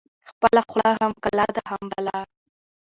خپله خوله هم کلا ده، هم بلا